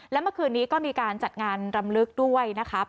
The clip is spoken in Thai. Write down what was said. และเมื่อคืนนี้ก็มีการจัดงานรำลึกด้วยนะครับ